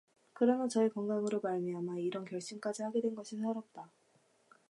그러나 저의 건강으로 말미암아 이런 결심까지 하게 된 것이 서럽다.